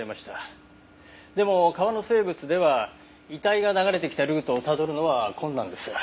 でも川の生物では遺体が流れてきたルートをたどるのは困難です。